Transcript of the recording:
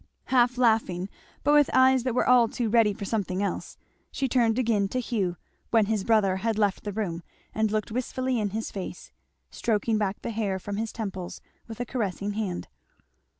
Half laughing, but with eyes that were all too ready for something else, she turned again to Hugh when his brother had left the room and looked wistfully in his face, stroking back the hair from his temples with a caressing hand.